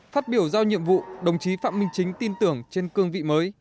phát biểu giao nhiệm vụ đồng chí phạm minh chính tin tưởng trên cương vị mới